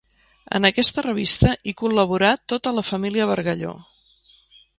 En aquesta revista hi col·laborà tota la família Bargalló.